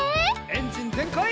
エンジンぜんかい！